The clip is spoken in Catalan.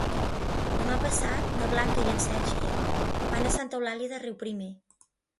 Demà passat na Blanca i en Sergi van a Santa Eulàlia de Riuprimer.